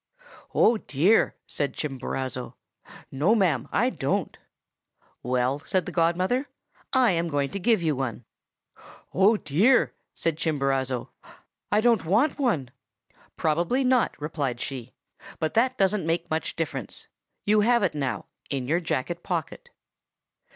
"'Oh, dear!' said Chimborazo. 'No, ma'am, I don't!' "'Well,' said the godmother, 'I am going to give you one.' "'Oh, dear!' said Chimborazo, 'I don't want one.' "'Probably not,' replied she, 'but that doesn't make much difference. You have it now, in your jacket pocket.